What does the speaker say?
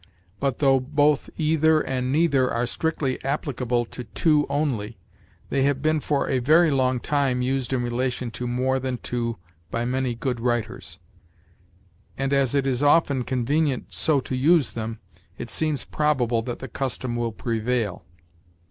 But, though both either and neither are strictly applicable to two only, they have been for a very long time used in relation to more than two by many good writers; and, as it is often convenient so to use them, it seems probable that the custom will prevail.